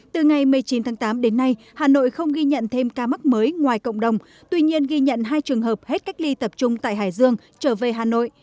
từ ngày một mươi chín tháng tám đến nay hà nội không ghi nhận thêm ca mắc mới ngoài cộng đồng tuy nhiên ghi nhận hai trường hợp hết cách ly tập trung tại hải dương trở về hà nội